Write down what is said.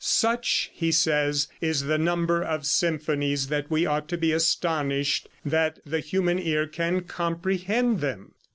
"Such," he says, "is the number of symphonies that we ought to be astonished that the human ear can comprehend them."